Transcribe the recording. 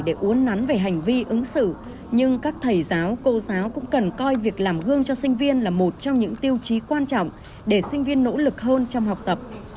để uốn nắn về hành vi ứng xử nhưng các thầy giáo cô giáo cũng cần coi việc làm gương cho sinh viên là một trong những tiêu chí quan trọng để sinh viên nỗ lực hơn trong học tập